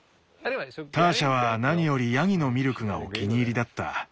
ターシャは何よりヤギのミルクがお気に入りだった。